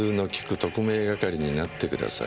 特命係になってください。